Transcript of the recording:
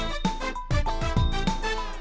๑หรือ๒